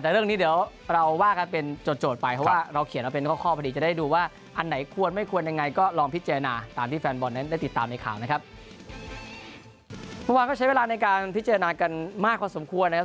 เมื่อวานก็ใช้เวลาในการพิจารณากันมากกว่าสมคว้นนะครับ